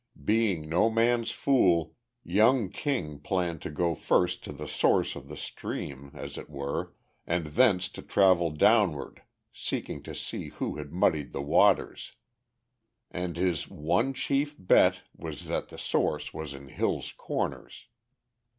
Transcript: Being no man's fool, young King planned to go first to the source of the stream, as it were, and thence to travel downward seeking to see who had muddied the waters. And his "one chief bet" was that the source was in Hill's Corners.